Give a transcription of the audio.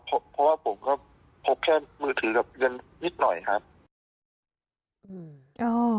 เพราะว่าผมก็พบแค่มือถือกับเงินนิดหน่อยครับ